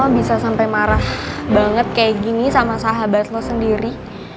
bisa sampai marah banget kayak gini sama sahabat lo sendiri